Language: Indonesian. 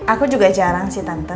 aku juga jarang sih tante